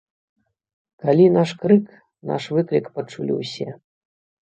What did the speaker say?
Калі наш крык, наш выклік пачулі ўсе.